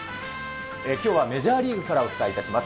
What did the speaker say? きょうはメジャーリーグからお伝えいたします。